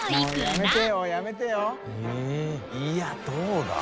いどうだ？